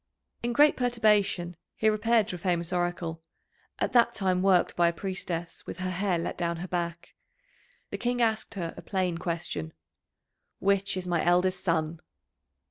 In great perturbation he repaired to a famous Oracle, at that time worked by a priestess with her hair let down her back. The King asked her a plain question: "Which is my eldest son?"